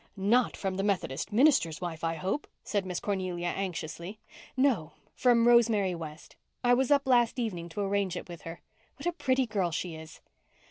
"Not from the Methodist minister's wife, I hope?" said Miss Cornelia anxiously. "No—from Rosemary West. I was up last evening to arrange it with her. What a pretty girl she is!"